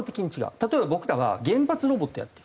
例えば僕らは原発ロボットやってる。